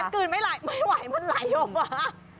จริงดิฉันกลืนไม่ไหวมันไหลออกมา